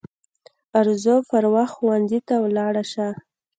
ارزو پر وخت ښوونځي ته ولاړه سه